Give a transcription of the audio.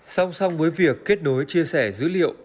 song song với việc kết nối chia sẻ dữ liệu